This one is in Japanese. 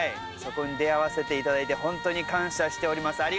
そこに出合わせていただきホントに感謝しております。